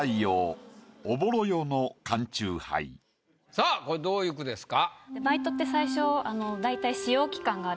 さぁこれどういう句ですか？